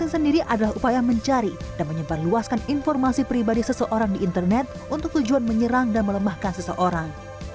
sendiri adalah upaya mencari dan menyebarluaskan informasi pribadi seseorang di internet untuk tujuan menyerang dan melemahkan seseorang